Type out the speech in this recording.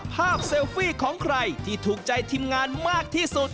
เซลฟี่ของใครที่ถูกใจทีมงานมากที่สุด